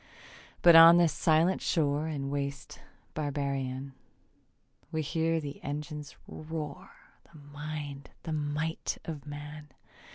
But on this silent shore And waste barbarian, We hear the engines roar And mind the might of man.